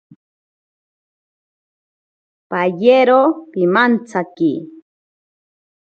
Payero pimantsaki.